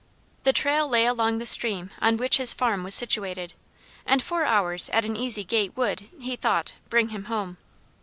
The trail lay along the stream on which his farm was situated, and four hours at an easy gait would, he thought, bring him home.